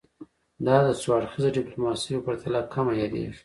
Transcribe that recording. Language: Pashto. دا د څو اړخیزه ډیپلوماسي په پرتله کمه یادیږي